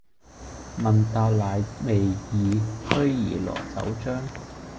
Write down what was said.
問答乃未已，驅兒羅酒漿。